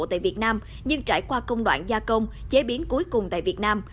tại việt nam nhưng trải qua công đoạn gia công chế biến cuối cùng tại việt nam